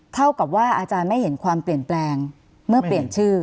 เท่ากับว่าอาจารย์ไม่เห็นความเปลี่ยนแปลงเมื่อเปลี่ยนชื่อ